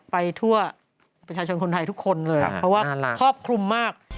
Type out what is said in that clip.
ไปทั่วประชาชนคนไทยทุกคนเลยเพราะว่าครอบคลุมมาก